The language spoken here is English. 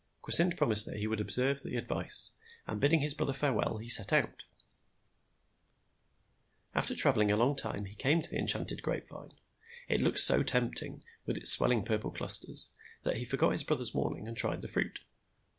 Kwasynd promised that he would observe the advice, and bidding his brother farewell, he set out. After traveling a long time he came to the enchanted grape vine. It looked so tempting, with its swelling purple clusters, that he forgot his brother's warning and tried the fruit.